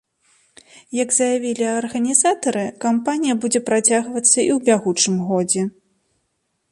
Як заявілі арганізатары, кампанія будзе працягвацца і ў бягучым годзе.